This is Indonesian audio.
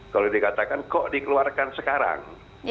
kalau dikatakan kok dikeluarkan sekarang